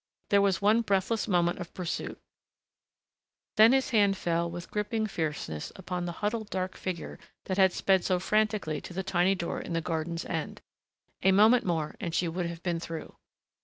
There was one breathless moment of pursuit, then his hand fell with gripping fierceness upon the huddled dark figure that had sped so frantically to the tiny door in the garden's end.... A moment more and she would have been through.